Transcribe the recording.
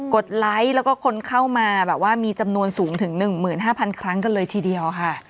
ดไลค์แล้วก็คนเข้ามาแบบว่ามีจำนวนสูงถึง๑๕๐๐ครั้งกันเลยทีเดียวค่ะ